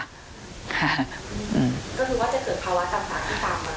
ก็คือว่าจะเกิดภาวะต่างที่ตามมา